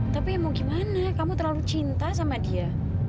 tapi mau gimana kamu terlalu cinta sama dia